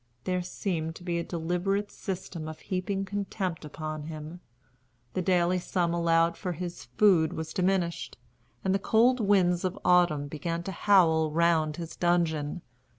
There seemed to be a deliberate system of heaping contempt upon him. The daily sum allowed for his food was diminished, and the cold winds of autumn began to howl round his dungeon.